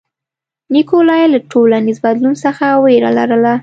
نیکولای له ټولنیز بدلون څخه وېره لرله.